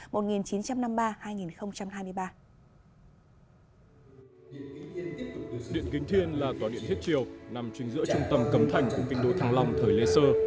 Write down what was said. điện kính thiên là tòa điện thiết triều nằm trình giữa trung tâm cầm thành của kinh đô thăng long thời lê sơ